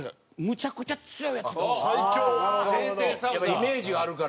イメージがあるから。